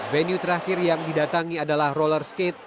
venue terakhir yang didatangi adalah roller skate